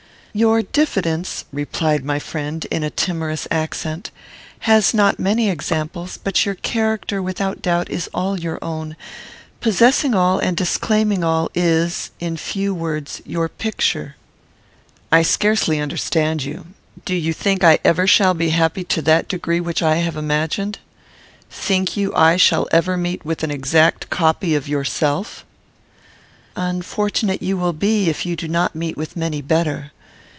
"Your diffidence," replied my friend, in a timorous accent, "has not many examples; but your character, without doubt, is all your own, possessing all and disclaiming all, is, in few words, your picture." "I scarcely understand you. Do you think I ever shall be happy to that degree which I have imagined? Think you I shall ever meet with an exact copy of yourself?" "Unfortunate you will be, if you do not meet with many better.